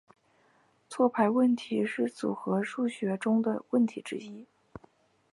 错排问题是组合数学中的问题之一。